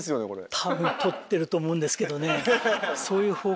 たぶん取ってると思うんですけどね。